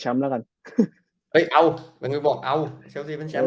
แล้วกันเฮ้ยเอามันก็บอกเอาเชลซีเป็นแชมป์